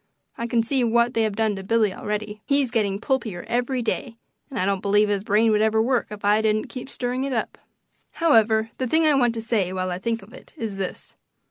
I can see what they have done to Billy already; he's getting pulpier every day, and I don't believe his brain would ever work if I didn't keep stirring it up. However, the thing I want to say while I think of it is this.